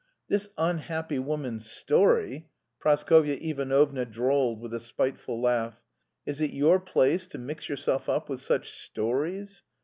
"This unhappy woman's story!" Praskovya Ivanovna drawled with a spiteful laugh. "Is it your place to mix yourself up with such 'stories.'